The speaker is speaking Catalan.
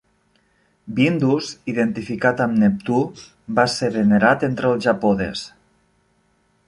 "Bindus", identificat amb Neptú, va ser venerat entre el Japodes.